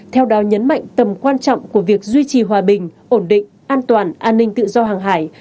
theo đó nhấn mạnh tầm quan trọng của việc duy trì hòa bình ổn định an toàn an ninh tự do hàng hải